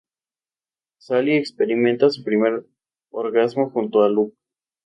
Sally experimenta su primer orgasmo junto a Luke.